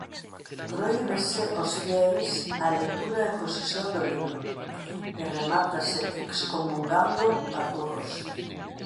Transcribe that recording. Prohíbese ós fieis a lectura e posesión do libro e remátase excomungando a Curros.